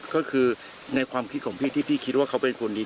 ก็คือในความคิดของพี่ที่พี่คิดว่าเขาเป็นคนดี